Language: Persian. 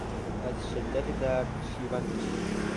از شدت درد شیون کشید.